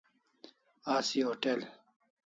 Asi hotel